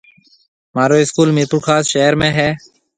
مهارو اسڪول ميرپورخاص شهر ۾ هيَ۔